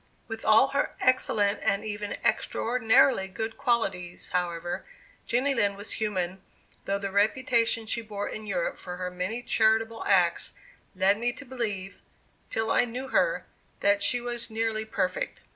With all her excellent and even extraordinarily good qualities, however, Jenny Lind was human, though the reputation she bore in Europe for her many charitable acts led me to believe, till I knew her, that she was nearly perfect.